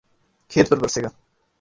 کھیت پر برسے گا